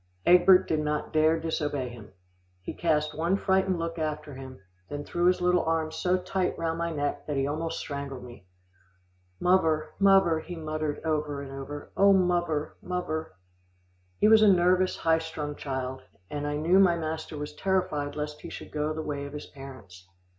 Egbert did not dare disobey him. He cast one frightened look after him, then he threw his little arms so tight round my neck, that he almost strangled me. "Muvver, muvver," he muttered over and over, "oh! muvver, muvver." He was a nervous, high strung child, and I knew my master was terrified lest he should go the way of his parents.